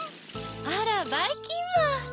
あらばいきんまん。